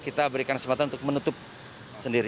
kita berikan kesempatan untuk menutup sendiri